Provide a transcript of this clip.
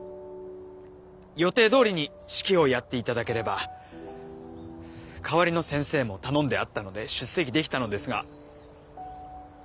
「予定どおりに式をやっていただければ代わりの先生も頼んであったので出席できたのですが」